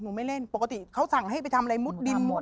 หนูไม่เล่นปกติเขาสั่งให้ไปทำอะไรหนูไม่เล่น